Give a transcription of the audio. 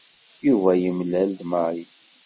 Yuba yemlal-d Mary.